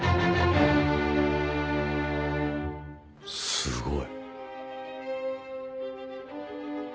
すごい。